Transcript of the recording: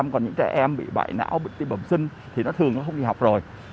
còn những trẻ em bị bại não bị tiêm bẩm sinh thì nó thường không đi học rồi